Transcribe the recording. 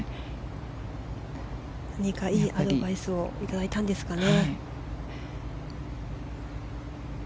何かいいアドバイスをいただいたんですかね。